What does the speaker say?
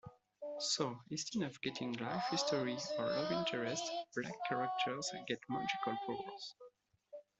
So instead of getting life histories or love interests, black characters get magical powers.